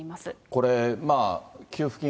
これ、給付金